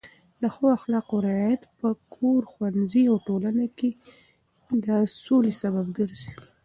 د ښو اخلاقو رعایت په کور، ښوونځي او ټولنه کې د سولې سبب ګرځي.